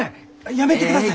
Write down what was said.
やめてください！